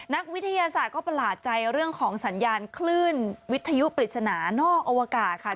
นักวิทยาศาสตร์ก็ประหลาดใจเรื่องของสัญญาณคลื่นวิทยุปริศนานอกอวกาศค่ะ